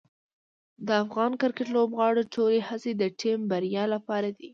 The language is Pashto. د افغان کرکټ لوبغاړو ټولې هڅې د ټیم بریا لپاره دي.